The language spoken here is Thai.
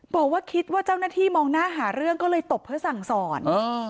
บอกว่าคิดว่าเจ้าหน้าที่มองหน้าหาเรื่องก็เลยตบเพื่อสั่งสอน